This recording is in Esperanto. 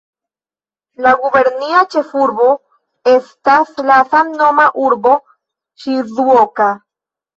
La gubernia ĉefurbo estas la samnoma urbo Ŝizuoka.